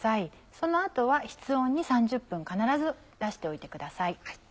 その後は室温に３０分必ず出しておいてください。